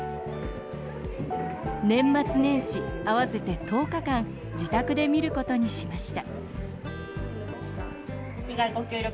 年末年始合わせて１０日間自宅で見ることにしました。